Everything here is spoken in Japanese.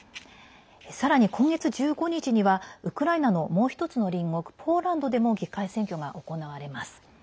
さらに今月１５日にはウクライナのもう１つの隣国ポーランドでも議会選挙が行われます。